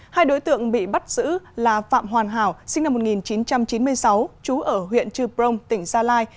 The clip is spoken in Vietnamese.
hai đối tượng bị bắt giữ là phạm hoàn hảo sinh năm một nghìn chín trăm chín mươi sáu chú ở huyện trư brông tỉnh gia lai